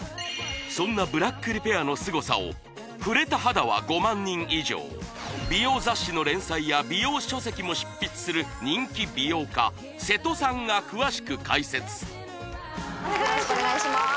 そんなブラックリペアのすごさを美容雑誌の連載や美容書籍も執筆する人気美容家瀬戸さんが詳しく解説よろしくお願いします